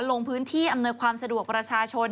ลงพื้นที่อำนวยความสะดวกประชาชน